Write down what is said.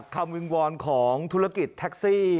วิงวอนของธุรกิจแท็กซี่